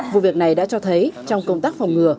vụ việc này đã cho thấy trong công tác phòng ngừa